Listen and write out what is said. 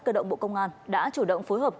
cơ động bộ công an đã chủ động phối hợp